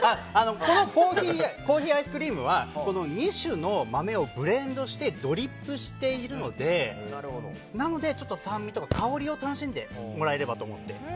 このコーヒーアイスクリームは２種の豆をブレンドしてドリップしているのでなので、ちょっと酸味とか香りを楽しんでもらえればと思って。